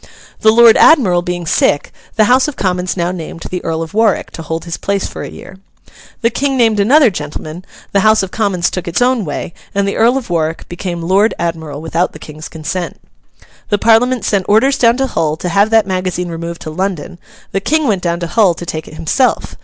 The Lord Admiral being sick, the House of Commons now named the Earl of Warwick to hold his place for a year. The King named another gentleman; the House of Commons took its own way, and the Earl of Warwick became Lord Admiral without the King's consent. The Parliament sent orders down to Hull to have that magazine removed to London; the King went down to Hull to take it himself.